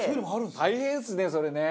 大変ですねそれね。